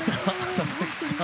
佐々木さん。